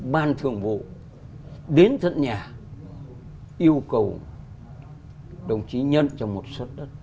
ban thượng bộ đến thận nhà yêu cầu đồng chí nhân trong một suất đất